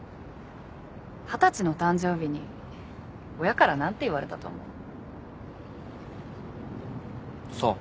二十歳の誕生日に親から何て言われたと思う？さあ。